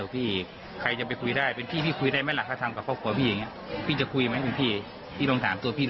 สารต่อนะครับ